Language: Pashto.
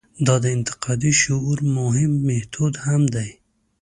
دا د انتقادي شعور مهم میتود هم دی.